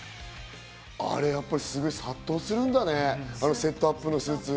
あれ、やっぱりすごい殺到するんだね、あのセットアップのスーツ。